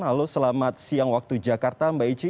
halo selamat siang waktu jakarta mbak ici